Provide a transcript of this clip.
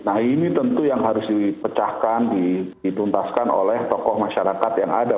nah ini tentu yang harus dipecahkan dituntaskan oleh tokoh masyarakat yang ada